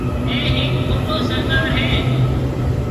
اَي هيڪ موٽو سردار هيَ۔